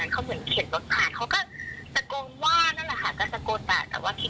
คือตรงข้ามเขาเป็นร้านอาหารเลยมีคนนั่งทานได้